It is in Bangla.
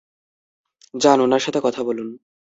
যান উনার সাথে কথা বলুন।